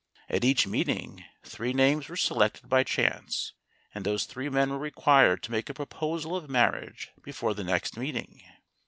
At each meet ing three names were selected by chance, and those three men were required to make a proposal of mar riage before the next meeting.